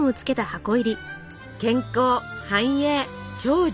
健康繁栄長寿